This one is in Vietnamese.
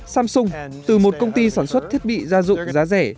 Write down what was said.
samsung từ một công ty sản xuất thiết bị gia dụng giá rẻ